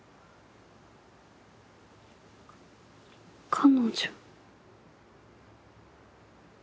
彼女。